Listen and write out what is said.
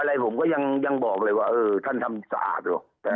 อะไรผมก็ยังบอกเลยว่าเออท่านทำสะอาดหรอ